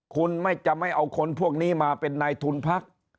คุณจะไม่เอาคนพวกนี้มาเป็นนายทุนพัก